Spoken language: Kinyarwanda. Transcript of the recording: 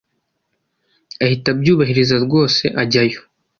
ahita abyubahiriza rwose ajyayo